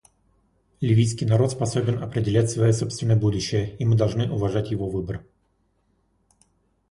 Ливийский народ способен определять свое собственное будущее, и мы должны уважать его выбор.